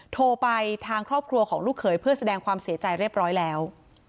โทรไปทางครอบครัวของลูกเขยเพื่อแสดงความเสียใจเรียบร้อยแล้ว